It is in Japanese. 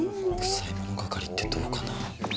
臭いもの係ってどうかな。